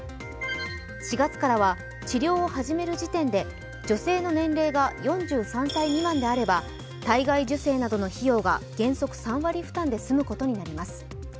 ４月からは、治療を始める時点で女性の年齢が４３歳未満であれば体外受精などの費用が原則３割負担で済むことになります。